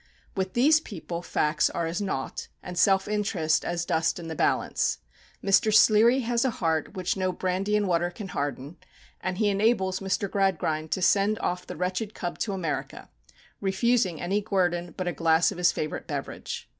With these people facts are as naught, and self interest as dust in the balance. Mr. Sleary has a heart which no brandy and water can harden, and he enables Mr. Gradgrind to send off the wretched cub to America, refusing any guerdon but a glass of his favourite beverage.